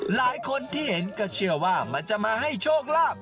หลายคนที่เห็นก็เชื่อว่ามันจะมาให้โชคลาภ